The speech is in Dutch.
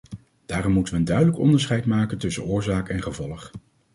Daarom moeten we een duidelijk onderscheid maken tussen oorzaak en gevolg.